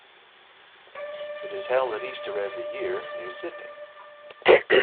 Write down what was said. It is held at Easter every year, near Sydney.